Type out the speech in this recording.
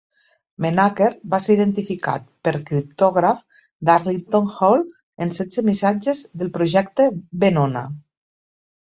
Menaker va ser identificat per criptògrafs d'Arlington Hall en setze missatges del projecte Venona.